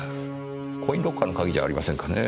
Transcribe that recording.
コインロッカーの鍵じゃありませんかねぇ。